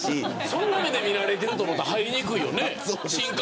そんな目で見られていると思ったら入りにくいよね。